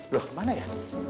loh kemana ya